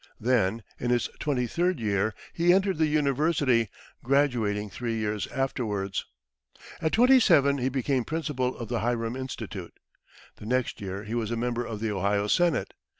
Then in his twenty third year he entered the university, graduating three years afterwards. At twenty seven he became principal of the Hiram Institute. The next year he was a Member of the Ohio Senate.